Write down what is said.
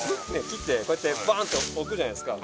切ってバーンと置くじゃないですか